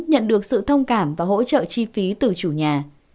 nhận được sự thông cảm và hỗ trợ chi phí từ chủ nhà